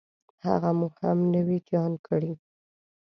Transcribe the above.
هغه مو هم نوي جان کړې.